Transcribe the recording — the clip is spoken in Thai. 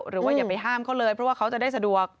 อย่าไปห้ามเขาเลยเพราะว่าเขาจะได้สะดวก